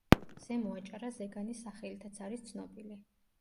ზემო აჭარა „ზეგანის“ სახელითაც არის ცნობილი.